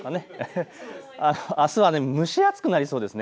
あすは蒸し暑くなりそうです。